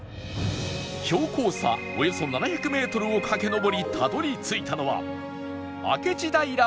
標高差およそ７００メートルを駆け上りたどり着いたのは明智平バス停